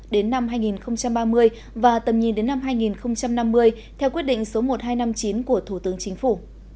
đến năm hai nghìn ba mươi và tầm nhìn đến năm hai nghìn năm mươi theo quyết định số một nghìn hai trăm năm mươi chín của thủ tướng chính phủ